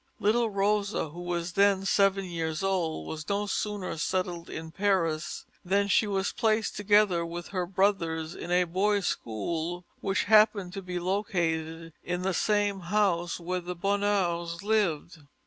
Little Rosa, who was then seven years old, was no sooner settled in Paris, than she was placed together with her brothers in a boys' school which happened to be located in the same house where the Bonheurs lived.